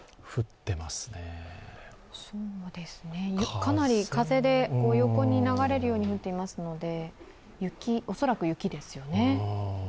かなり風で横に流れるように降ってますので恐らく雪ですよね。